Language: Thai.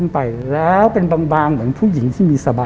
ประมาณว่า